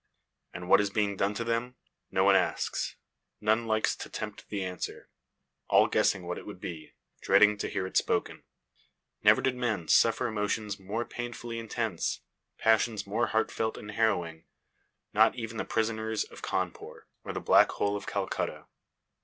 And what is being done to them? No one asks none likes to tempt the answer; all guessing what it would be, dreading to hear it spoken. Never did men suffer emotions more painfully intense, passions more heartfelt and harrowing; not even the prisoners of Cawnpore, or the Black Hole of Calcutta.